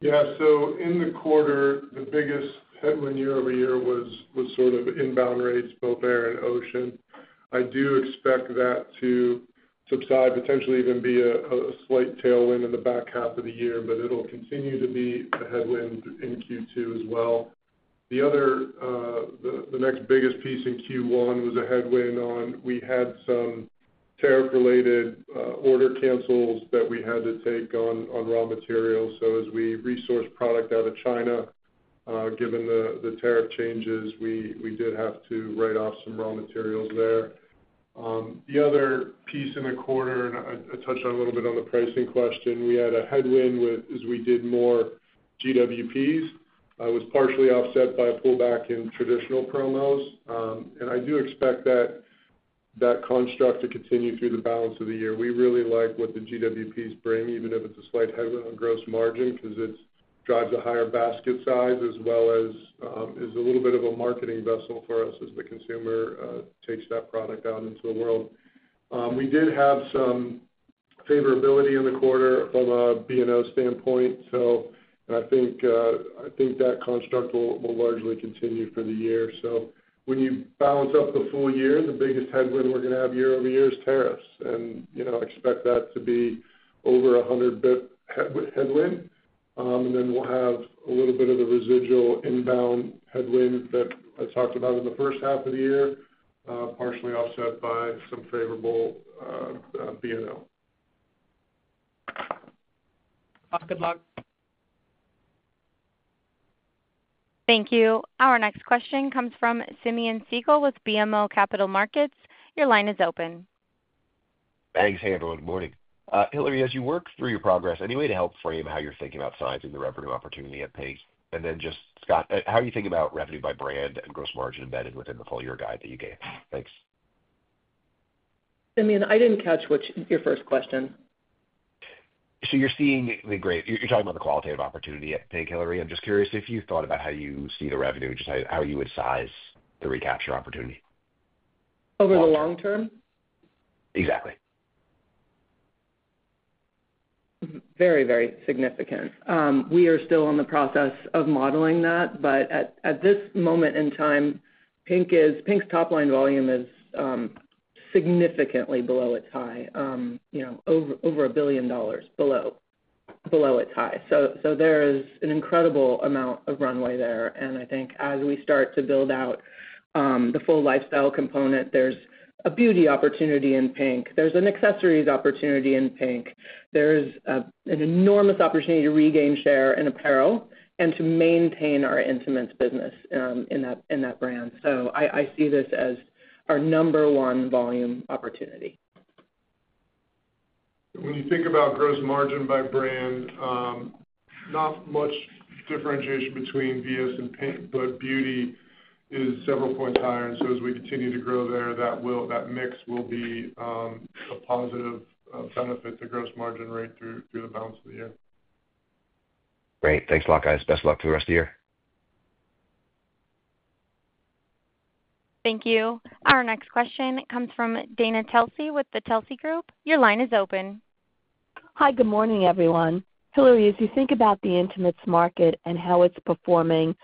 Speaker 4: Yeah. In the quarter, the biggest headwind year-over-year was sort of inbound rates, both air and ocean. I do expect that to subside, potentially even be a slight tailwind in the back half of the year, but it'll continue to be a headwind in Q2 as well. The next biggest piece in Q1 was a headwind on we had some tariff-related order cancels that we had to take on raw materials. As we resourced product out of China, given the tariff changes, we did have to write off some raw materials there. The other piece in the quarter, and I touched on a little bit on the pricing question, we had a headwind as we did more GWPs. It was partially offset by a pullback in traditional promos. I do expect that construct to continue through the balance of the year. We really like what the GWPs bring, even if it is a slight headwind on gross margin because it drives a higher basket size as well as is a little bit of a marketing vessel for us as the consumer takes that product out into the world. We did have some favorability in the quarter from a B&O standpoint. I think that construct will largely continue for the year. When you balance up the full year, the biggest headwind we're going to have year-over-year is tariffs. Expect that to be over 100 basis points headwind. Then we'll have a little bit of the residual inbound headwind that I talked about in the first half of the year, partially offset by some favorable B&O.
Speaker 6: Good luck.
Speaker 1: Thank you. Our next question comes from Simeon Siegel with BMO Capital Markets. Your line is open.
Speaker 7: Thanks, everyone. Good morning. Hillary, as you work through your progress, any way to help frame how you're thinking about sizing the revenue opportunity at PINK? Scott, how are you thinking about revenue by brand and gross margin embedded within the full-year guide that you gave?
Speaker 3: Thanks. Simeon, I didn't catch your first question.
Speaker 7: You're talking about the qualitative opportunity at PINK, Hillary. I'm just curious if you thought about how you see the revenue, just how you would size the recapture opportunity.
Speaker 3: Over the long term?
Speaker 7: Exactly.
Speaker 3: Very, very significant. We are still in the process of modeling that, but at this moment in time, PINK's top-line volume is significantly below its high, over $1 billion below its high. There is an incredible amount of runway there. I think as we start to build out the full lifestyle component, there's a beauty opportunity in PINK. There's an accessories opportunity in PINK. There's an enormous opportunity to regain share in apparel and to maintain our intimates business in that brand. I see this as our number one volume opportunity.
Speaker 4: When you think about gross margin by brand, not much differentiation between VS and PINK, but Beauty is several points higher. As we continue to grow there, that mix will be a positive benefit to gross margin rate through the balance of the year.
Speaker 7: Great. Thanks a lot, guys. Best of luck for the rest of the year.
Speaker 1: Thank you. Our next question comes from Dana Telsey with the Telsey Group. Your line is open.
Speaker 8: Hi, good morning, everyone. Hillary, as you think about the intimates market and how it's performing,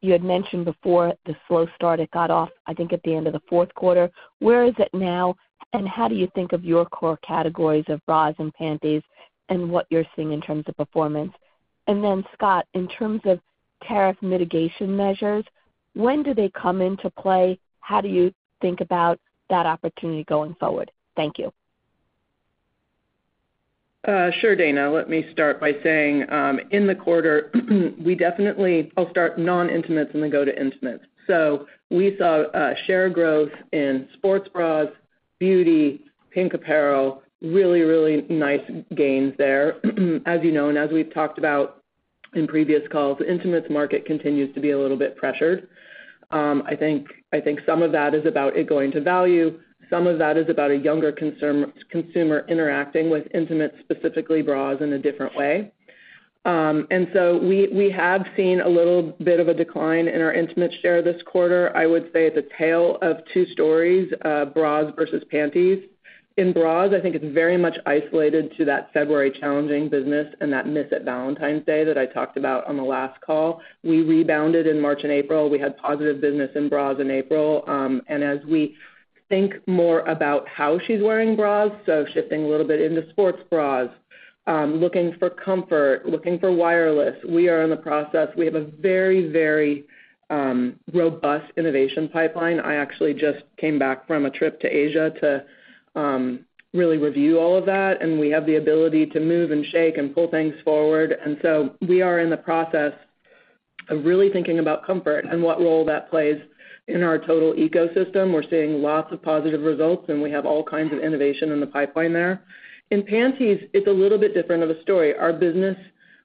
Speaker 8: you had mentioned before the slow start it got off, I think, at the end of the fourth quarter. Where is it now, and how do you think of your core categories of bras and panties and what you're seeing in terms of performance? And then, Scott, in terms of tariff mitigation measures, when do they come into play? How do you think about that opportunity going forward? Thank you.
Speaker 3: Sure, Dana. Let me start by saying in the quarter, we definitely, I'll start non-intimates and then go to intimates. We saw share growth in sports bras, Beauty, PINK apparel, really, really nice gains there. As you know, and as we've talked about in previous calls, the intimates market continues to be a little bit pressured. I think some of that is about it going to value. Some of that is about a younger consumer interacting with intimates, specifically bras, in a different way. We have seen a little bit of a decline in our intimates share this quarter. I would say it is the tale of two stories, bras versus panties. In bras, I think it's very much isolated to that February challenging business and that miss at Valentine's Day that I talked about on the last call. We rebounded in March and April. We had positive business in bras in April. As we think more about how she's wearing bras, shifting a little bit into sports bras, looking for comfort, looking for wireless, we are in the process. We have a very, very robust innovation pipeline. I actually just came back from a trip to Asia to really review all of that, and we have the ability to move and shake and pull things forward. We are in the process of really thinking about comfort and what role that plays in our total ecosystem. We're seeing lots of positive results, and we have all kinds of innovation in the pipeline there. In panties, it's a little bit different of a story. Our business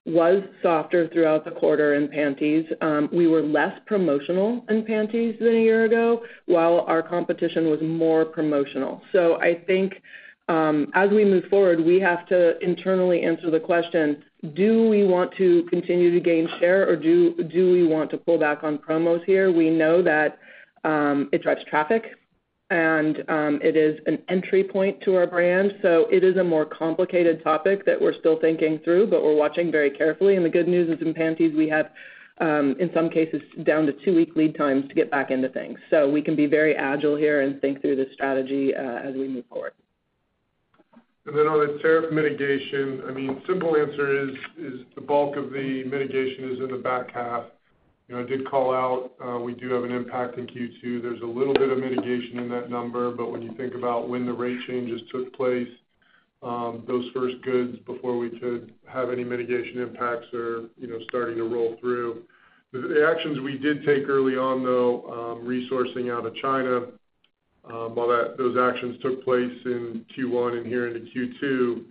Speaker 3: was softer throughout the quarter in panties. We were less promotional in panties than a year ago, while our competition was more promotional. I think as we move forward, we have to internally answer the question, do we want to continue to gain share, or do we want to pull back on promos here? We know that it drives traffic, and it is an entry point to our brand. It is a more complicated topic that we're still thinking through, but we're watching very carefully. The good news is in panties, we have, in some cases, down to two-week lead times to get back into things. We can be very agile here and think through the strategy as we move forward.
Speaker 4: On the tariff mitigation, I mean, simple answer is the bulk of the mitigation is in the back half. I did call out we do have an impact in Q2. There's a little bit of mitigation in that number, but when you think about when the rate changes took place, those first goods before we could have any mitigation impacts are starting to roll through. The actions we did take early on, though, resourcing out of China, while those actions took place in Q1 and here into Q2,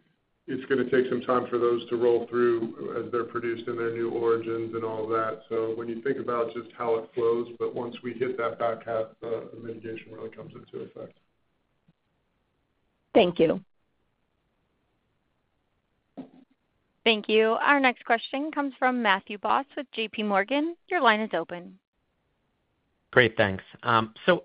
Speaker 4: it's going to take some time for those to roll through as they're produced in their new origins and all of that. When you think about just how it flows, once we hit that back half, the mitigation really comes into effect.
Speaker 8: Thank you.
Speaker 1: Thank you. Our next question comes from Matthew Boss with JPMorgan. Your line is open.
Speaker 9: Great. Thanks.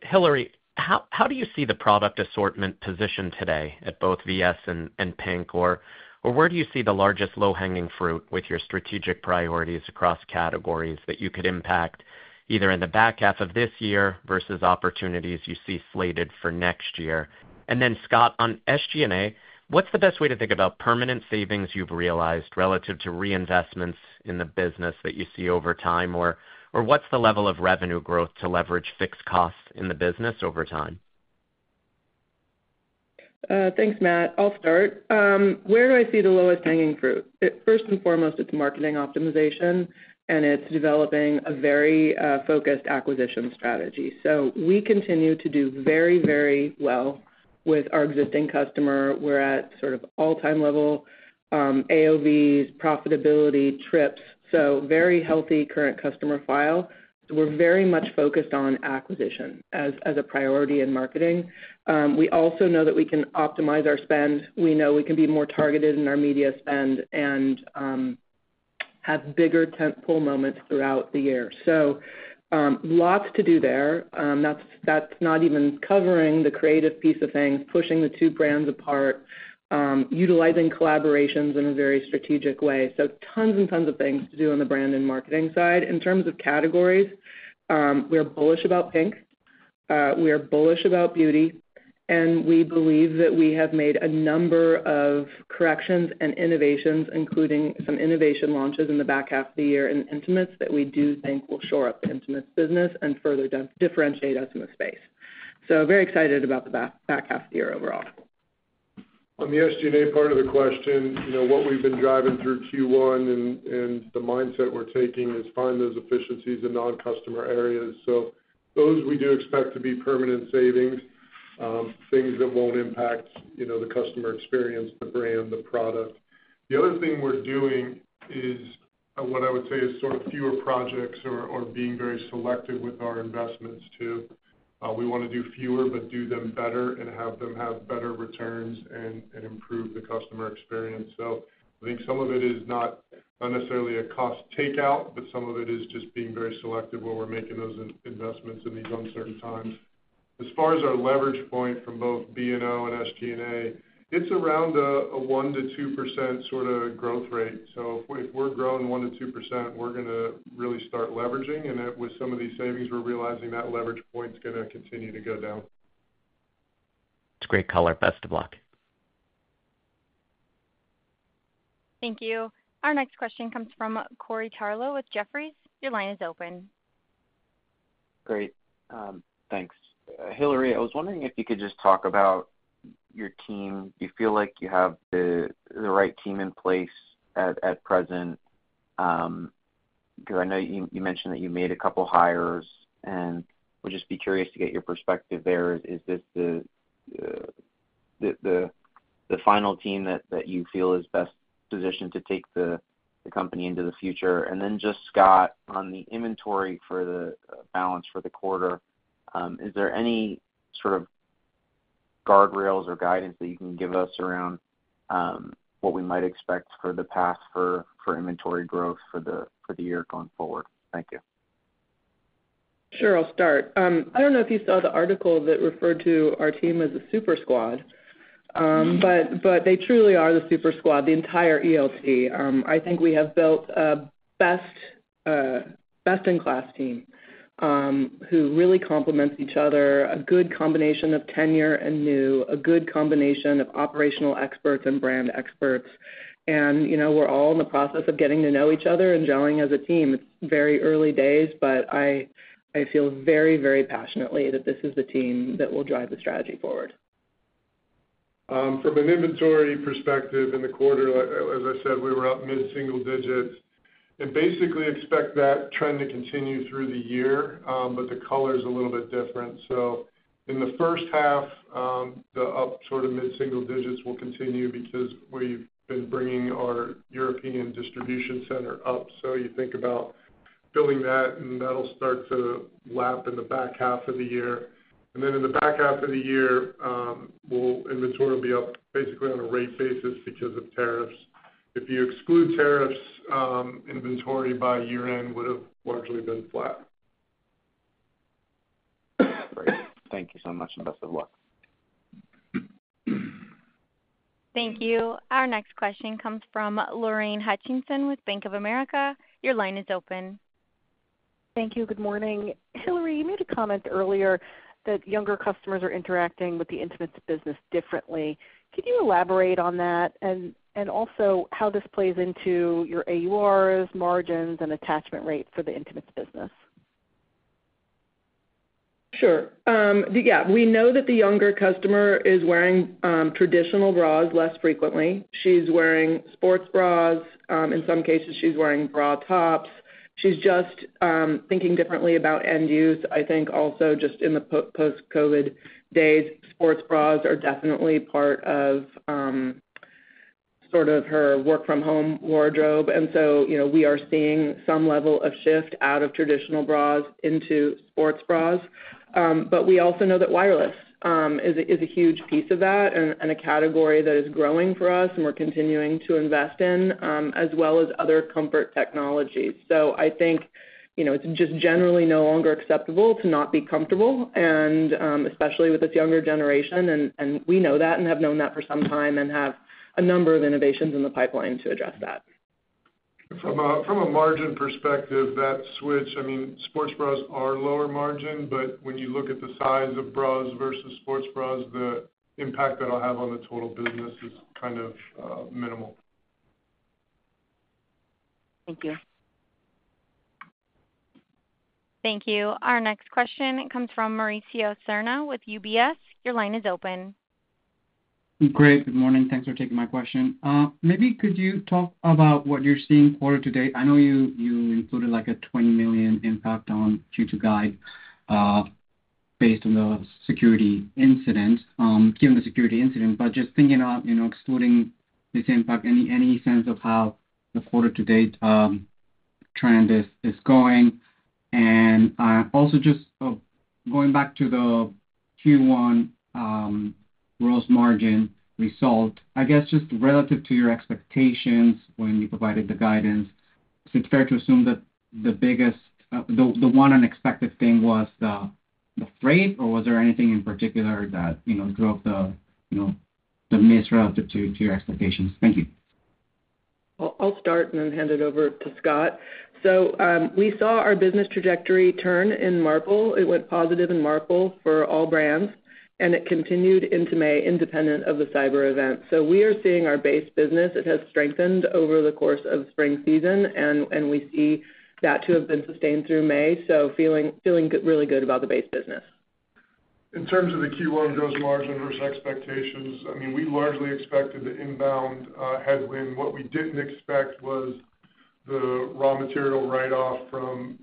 Speaker 9: Hillary, how do you see the product assortment position today at both VS and PINK, or where do you see the largest low-hanging fruit with your strategic priorities across categories that you could impact either in the back half of this year versus opportunities you see slated for next year? Scott, on SG&A, what's the best way to think about permanent savings you've realized relative to reinvestments in the business that you see over time, or what's the level of revenue growth to leverage fixed costs in the business over time?
Speaker 3: Thanks, Matt. I'll start. Where do I see the lowest hanging fruit? First and foremost, it's marketing optimization, and it's developing a very focused acquisition strategy. We continue to do very, very well with our existing customer. We're at sort of all-time level AOVs, profitability, trips. Very healthy current customer file. We're very much focused on acquisition as a priority in marketing. We also know that we can optimize our spend. We know we can be more targeted in our media spend and have bigger tentpole moments throughout the year. Lots to do there. That's not even covering the creative piece of things, pushing the two brands apart, utilizing collaborations in a very strategic way. Tons and tons of things to do on the brand and marketing side. In terms of categories, we're bullish about PINK. We are bullish about Beauty. We believe that we have made a number of corrections and innovations, including some innovation launches in the back half of the year in intimates that we do think will shore up the intimates business and further differentiate us in the space. Very excited about the back half of the year overall.
Speaker 4: On the SG&A part of the question, what we've been driving through Q1 and the mindset we're taking is find those efficiencies in non-customer areas. Those we do expect to be permanent savings, things that won't impact the customer experience, the brand, the product. The other thing we're doing is what I would say is sort of fewer projects or being very selective with our investments too. We want to do fewer, but do them better and have them have better returns and improve the customer experience. I think some of it is not necessarily a cost takeout, but some of it is just being very selective where we're making those investments in these uncertain times. As far as our leverage point from both B&O and SG&A, it's around a 1%-2% sort of growth rate. If we're growing 1%-2%, we're going to really start leveraging. With some of these savings, we're realizing that leverage point is going to continue to go down.
Speaker 9: That's great color. Best of luck.
Speaker 1: Thank you. Our next question comes from Corey Tarlowe with Jefferies. Your line is open.
Speaker 10: Great. Thanks. Hillary, I was wondering if you could just talk about your team. Do you feel like you have the right team in place at present? I know you mentioned that you made a couple of hires, and I would just be curious to get your perspective there. Is this the final team that you feel is best positioned to take the company into the future? Scott, on the inventory for the balance for the quarter, is there any sort of guardrails or guidance that you can give us around what we might expect for the past for inventory growth for the year going forward? Thank you.
Speaker 3: Sure. I'll start. I do not know if you saw the article that referred to our team as the super squad, but they truly are the super squad, the entire ELT. I think we have built a best-in-class team who really complements each other, a good combination of tenure and new, a good combination of operational experts and brand experts. We are all in the process of getting to know each other and gelling as a team. It is very early days, but I feel very, very passionately that this is the team that will drive the strategy forward.
Speaker 4: From an inventory perspective in the quarter, as I said, we were up mid-single digits. I basically expect that trend to continue through the year, but the color's a little bit different. In the first half, the up sort of mid-single digits will continue because we've been bringing our European distribution center up. You think about building that, and that'll start to lap in the back half of the year. In the back half of the year, inventory will be up basically on a rate basis because of tariffs. If you exclude tariffs, inventory by year-end would have largely been flat.
Speaker 10: Great. Thank you so much, and best of luck.
Speaker 1: Thank you. Our next question comes from Lorraine Hutchinson with Bank of America. Your line is open.
Speaker 11: Thank you. Good morning. Hillary, you made a comment earlier that younger customers are interacting with the intimates business differently. Could you elaborate on that and also how this plays into your AURs, margins, and attachment rate for the intimates business?
Speaker 3: Sure. Yeah. We know that the younger customer is wearing traditional bras less frequently. She's wearing sports bras. In some cases, she's wearing bra tops. She's just thinking differently about end use. I think also just in the post-COVID days, sports bras are definitely part of sort of her work-from-home wardrobe. We are seeing some level of shift out of traditional bras into sports bras. We also know that wireless is a huge piece of that and a category that is growing for us and we're continuing to invest in, as well as other comfort technologies. I think it's just generally no longer acceptable to not be comfortable, especially with this younger generation. We know that and have known that for some time and have a number of innovations in the pipeline to address that.
Speaker 4: From a margin perspective, that switch, I mean, sports bras are lower margin, but when you look at the size of bras versus sports bras, the impact that'll have on the total business is kind of minimal.
Speaker 11: Thank you.
Speaker 1: Thank you. Our next question comes from Mauricio Serna with UBS. Your line is open.
Speaker 12: Great. Good morning. Thanks for taking my question. Maybe could you talk about what you're seeing quarter to date? I know you included a $20 million impact on Q2 guide based on the security incident, given the security incident, but just thinking about excluding this impact, any sense of how the quarter-to-date trend is going? Also, just going back to the Q1 gross margin result, I guess just relative to your expectations when you provided the guidance, is it fair to assume that the biggest, the one unexpected thing was the freight, or was there anything in particular that drove the miss relative to your expectations? Thank you.
Speaker 3: I'll start and then hand it over to Scott. We saw our business trajectory turn in Marpril. It went positive in Marpril for all brands, and it continued into May independent of the cyber event. We are seeing our base business. It has strengthened over the course of spring season, and we see that to have been sustained through May. Feeling really good about the base business.
Speaker 4: In terms of the Q1 gross margin versus expectations, I mean, we largely expected the inbound headwind. What we did not expect was the raw material write-off from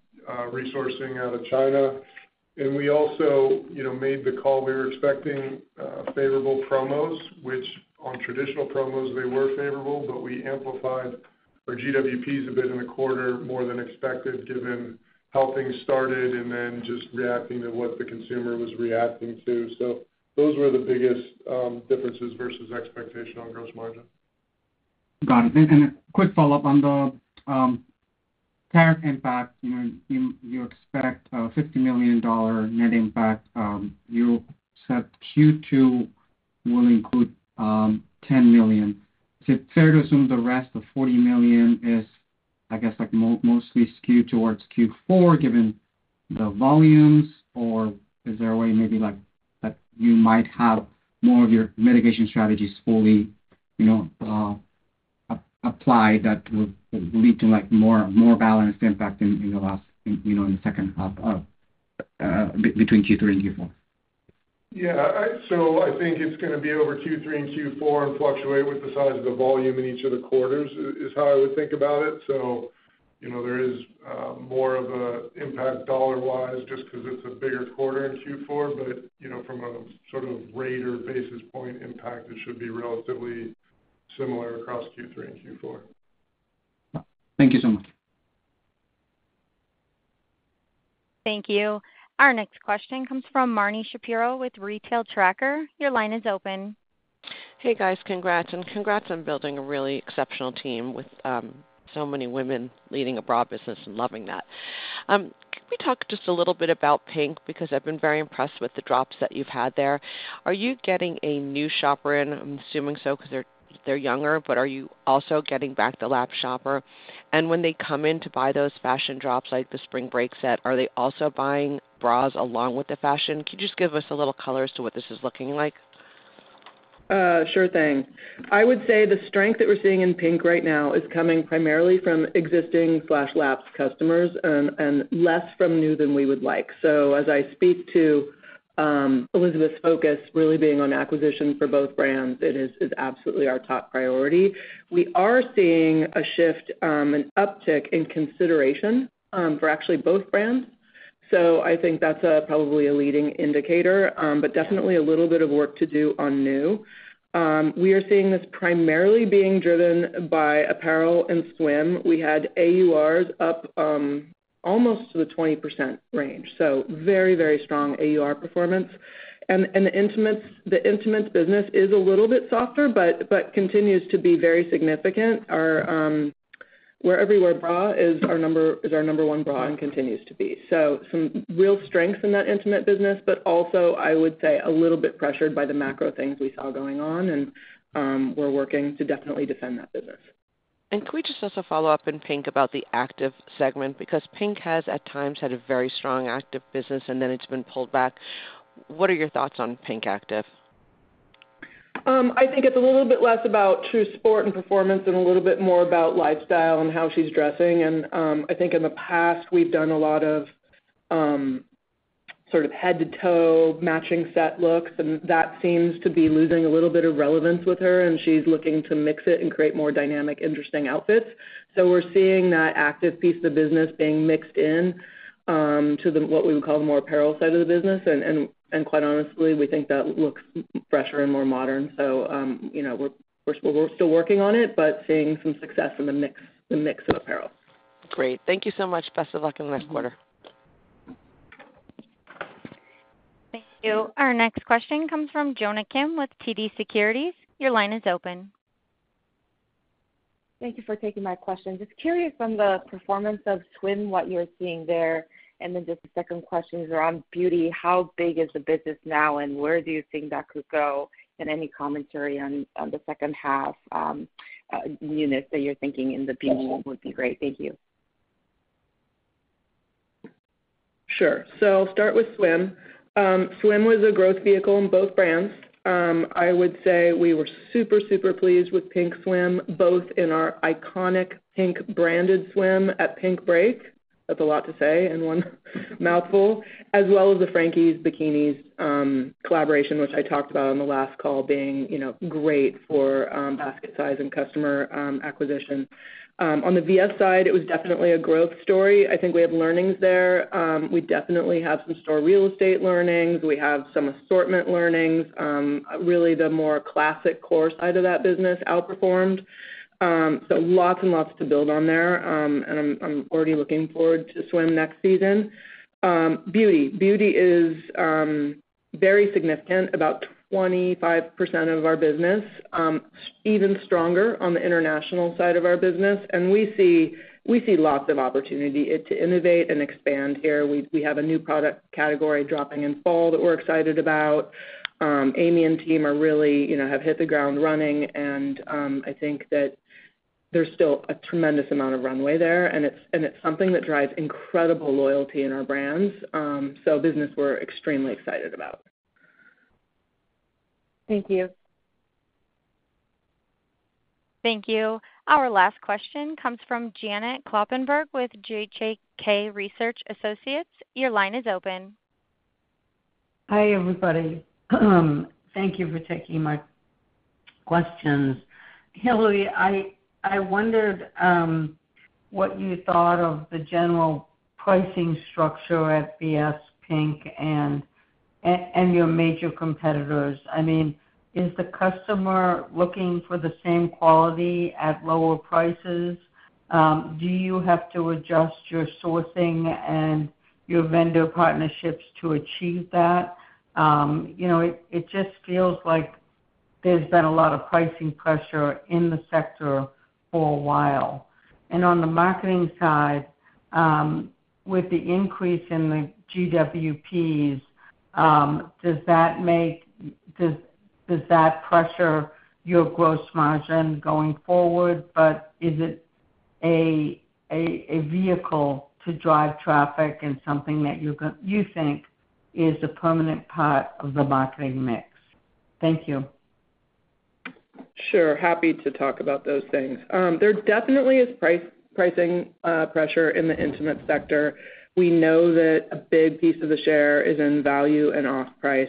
Speaker 4: resourcing out of China. We also made the call. We were expecting favorable promos, which on traditional promos, they were favorable, but we amplified our GWPs a bit in the quarter more than expected given how things started and just reacting to what the consumer was reacting to. Those were the biggest differences versus expectation on gross margin.
Speaker 12: Got it. A quick follow-up on the tariff impact. You expect a $50 million net impact. You said Q2 will include $10 million. Is it fair to assume the rest of $40 million is, I guess, mostly skewed towards Q4 given the volumes, or is there a way maybe that you might have more of your mitigation strategies fully applied that would lead to more balanced impact in the last, in the second half between Q3 and Q4?
Speaker 4: Yeah. I think it's going to be over Q3 and Q4 and fluctuate with the size of the volume in each of the quarters is how I would think about it. There is more of an impact dollar-wise just because it's a bigger quarter in Q4, but from a sort of rate or basis point impact, it should be relatively similar across Q3 and Q4.
Speaker 12: Thank you so much.
Speaker 1: Thank you. Our next question comes from Marni Shapiro with Retail Tracker. Your line is open.
Speaker 13: Hey, guys. Congrats. And congrats on building a really exceptional team with so many women leading a broad business and loving that. Can we talk just a little bit about PINK? Because I've been very impressed with the drops that you've had there. Are you getting a new shopper in? I'm assuming so because they're younger, but are you also getting back the lapsed shopper? And when they come in to buy those fashion drops like the spring break set, are they also buying bras along with the fashion? Could you just give us a little color as to what this is looking like?
Speaker 3: Sure thing. I would say the strength that we're seeing in PINK right now is coming primarily from existing/lapsed customers and less from new than we would like. As I speak to Elizabeth's focus, really being on acquisition for both brands, it is absolutely our top priority. We are seeing a shift, an uptick in consideration for actually both brands. I think that's probably a leading indicator, but definitely a little bit of work to do on new. We are seeing this primarily being driven by apparel and swim. We had AURs up almost to the 20% range. Very, very strong AUR performance. The intimates business is a little bit softer but continues to be very significant. Where Everywhere Bra is our number one bra and continues to be. Some real strength in that intimate business, but also, I would say a little bit pressured by the macro things we saw going on, and we are working to definitely defend that business.
Speaker 13: Could we just ask a follow-up in PINK about the active segment? PINK has at times had a very strong active business, and then it has been pulled back. What are your thoughts on PINK active?
Speaker 3: I think it is a little bit less about true sport and performance and a little bit more about lifestyle and how she is dressing. I think in the past, we've done a lot of sort of head-to-toe matching set looks, and that seems to be losing a little bit of relevance with her, and she's looking to mix it and create more dynamic, interesting outfits. We're seeing that active piece of the business being mixed into what we would call the more apparel side of the business. Quite honestly, we think that looks fresher and more modern. We're still working on it, but seeing some success in the mix of apparel.
Speaker 13: Great. Thank you so much. Best of luck in the next quarter.
Speaker 1: Thank you. Our next question comes from Jonna Kim with TD Securities. Your line is open.
Speaker 14: Thank you for taking my question. Just curious on the performance of swim, what you're seeing there. And then just the second question is around Beauty. How big is the business now, and where do you think that could go? Any commentary on the second half units that you are thinking in the beach would be great. Thank you.
Speaker 3: Sure. I'll start with swim. Swim was a growth vehicle in both brands. I would say we were super, super pleased with PINK swim, both in our iconic PINK branded swim at PINK Break—that is a lot to say in one mouthful—as well as the Frankies Bikinis collaboration, which I talked about on the last call being great for basket size and customer acquisition. On the VS side, it was definitely a growth story. I think we have learnings there. We definitely have some store real estate learnings. We have some assortment learnings. Really, the more classic core side of that business outperformed. Lots and lots to build on there, and I'm already looking forward to swim next season. Beauty. Beauty is very significant, about 25% of our business, even stronger on the international side of our business. We see lots of opportunity to innovate and expand here. We have a new product category dropping in fall that we're excited about. Amy and team have hit the ground running, and I think that there's still a tremendous amount of runway there, and it's something that drives incredible loyalty in our brands. Business we're extremely excited about.
Speaker 14: Thank you.
Speaker 1: Thank you. Our last question comes from Janet Kloppenburg with JJK Research Associates. Your line is open.
Speaker 15: Hi, everybody. Thank you for taking my questions. Hillary, I wondered what you thought of the general pricing structure at VS PINK and your major competitors. I mean, is the customer looking for the same quality at lower prices? Do you have to adjust your sourcing and your vendor partnerships to achieve that? It just feels like there's been a lot of pricing pressure in the sector for a while. On the marketing side, with the increase in the GWPs, does that pressure your gross margin going forward? Is it a vehicle to drive traffic and something that you think is a permanent part of the marketing mix? Thank you.
Speaker 3: Sure. Happy to talk about those things. There definitely is pricing pressure in the intimate sector. We know that a big piece of the share is in value and off price.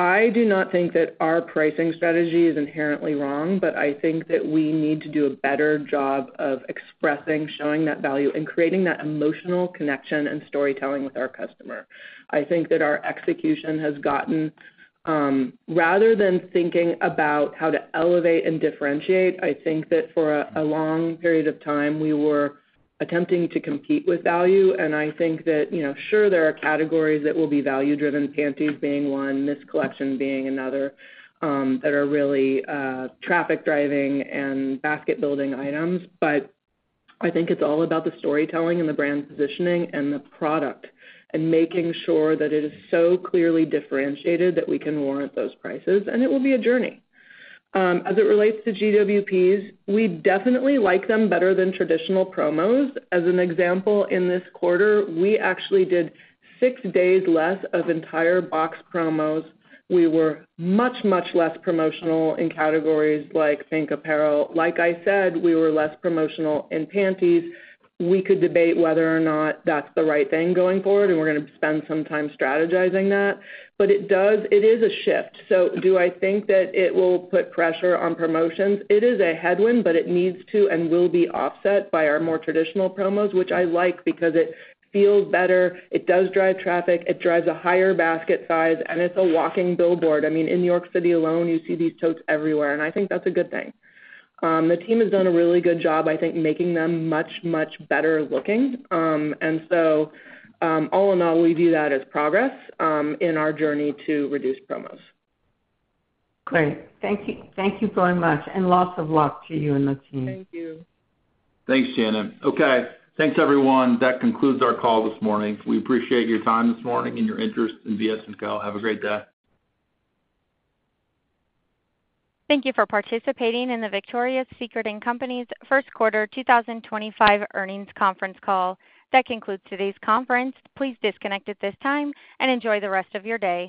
Speaker 3: I do not think that our pricing strategy is inherently wrong, but I think that we need to do a better job of expressing, showing that value, and creating that emotional connection and storytelling with our customer. I think that our execution has gotten, rather than thinking about how to elevate and differentiate, I think that for a long period of time, we were attempting to compete with value. I think that, sure, there are categories that will be value-driven, panties being one, this collection being another, that are really traffic-driving and basket-building items. I think it is all about the storytelling and the brand positioning and the product and making sure that it is so clearly differentiated that we can warrant those prices. It will be a journey. As it relates to GWPs, we definitely like them better than traditional promos. As an example, in this quarter, we actually did six days less of entire box promos. We were much, much less promotional in categories like PINK apparel. Like I said, we were less promotional in panties. We could debate whether or not that's the right thing going forward, and we're going to spend some time strategizing that. It is a shift. Do I think that it will put pressure on promotions? It is a headwind, but it needs to and will be offset by our more traditional promos, which I like because it feels better. It does drive traffic. It drives a higher basket size, and it's a walking billboard. I mean, in New York City alone, you see these totes everywhere, and I think that's a good thing. The team has done a really good job, I think, making them much, much better looking. All in all, we view that as progress in our journey to reduce promos.
Speaker 15: Great. Thank you very much. And lots of luck to you and the team.
Speaker 3: Thank you.
Speaker 4: Thanks, Janet. Okay. Thanks, everyone. That concludes our call this morning. We appreciate your time this morning and your interest in VS&Co. Have a great day.
Speaker 1: Thank you for participating in the Victoria's Secret & Co. First Quarter 2025 Earnings Conference Call. That concludes today's conference. Please disconnect at this time and enjoy the rest of your day.